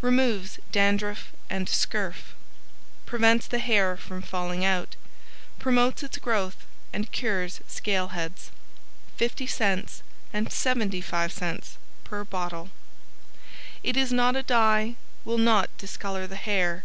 Removes Dandruff and Scurf. Prevents the Hair from falling out. Promotes its growth and Cures Scale Heads. 50c and 75c PER BOTTLE It is not a dye, will not discolor the hair.